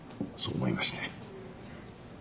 そう思いまして。